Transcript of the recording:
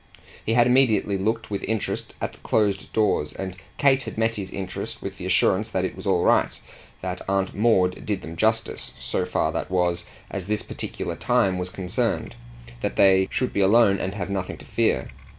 He had immediately looked with interest at the closed doors, and Kate had met his interest with the assurance that it was all right, that Aunt Maud did them justice so far, that was, as this particular time was concerned; that they should be alone and have nothing to fear.